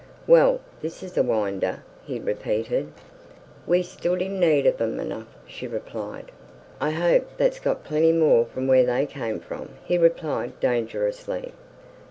"Well, this is a winder!" he repeated. "We stood in need of 'em enough," she replied. "I hope tha's got plenty more from wheer they came from," he replied dangerously.